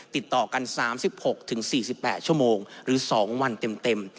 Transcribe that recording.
ติดต่อกัน๓๖๔๘ชั่วโมงหรือ๒วันเต็ม